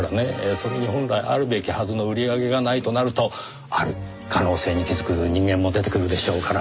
それに本来あるべきはずの売り上げがないとなるとある可能性に気づく人間も出てくるでしょうから。